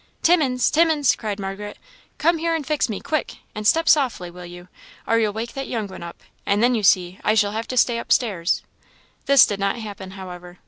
"Timmins! Timmins!" cried Margaret, "come here and fix me quick! and step softly, will you? or you'll wake that young one up, and then, you see, I shall have to stay up stairs." This did not happen, however.